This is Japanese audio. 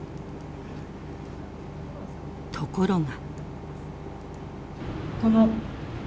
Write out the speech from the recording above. ところが。